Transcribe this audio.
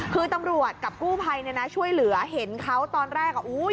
คือตำรวจกับกู้ภัยเนี่ยนะช่วยเหลือเห็นเขาตอนแรกอ่ะอุ้ย